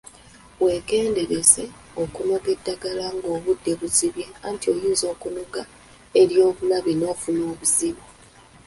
Weegendereze okunoga eddagala ng'obudde buzibye anti oyinza okunoga ery'obulabe n'ofuna obuzibu.